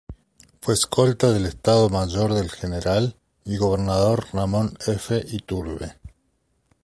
Fue escolta del estado mayor del general y gobernador Ramón F. Iturbe.